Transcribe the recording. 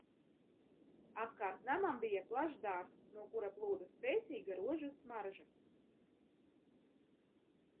Apkārt namam bija plašs dārzs, no kura plūda spēcīga rožu smarža.